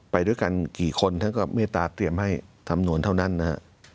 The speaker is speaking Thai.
ไปด้วยกันกี่คนท่านก็เมตตาเตรียมให้ทำนวนเท่านั้นนะฮะ